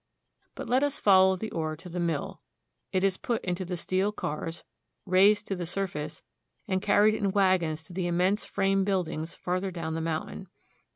But let us follow the ore to the mill. It is put into the steel cars, raised to the surface, and carried in wagons to the immense frame buildings farther down the mountain.